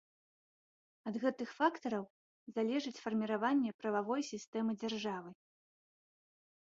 Ад гэтых фактараў залежыць фарміраванне прававой сістэмы дзяржавы.